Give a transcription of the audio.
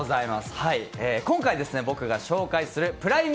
今回、僕が紹介するプライム